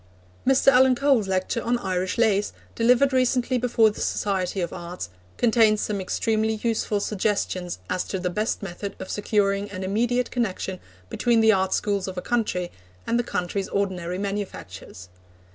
Mr. Alan Cole's lecture on Irish lace, delivered recently before the Society of Arts, contains some extremely useful suggestions as to the best method of securing an immediate connection between the art schools of a country and the country's ordinary manufactures.